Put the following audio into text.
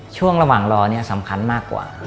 ช่วงระหว่างรอเนี่ยสำคัญมากกว่า